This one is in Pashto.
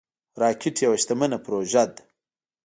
راکټ یوه شتمنه پروژه ده